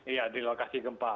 iya di lokasi gempa